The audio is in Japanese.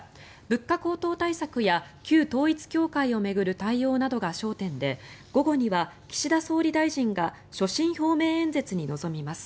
物価高騰対策や旧統一教会を巡る対応などが焦点で午後には岸田総理大臣が所信表明演説に臨みます。